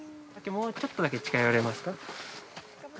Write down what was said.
もうちょっとだけ近寄れますか。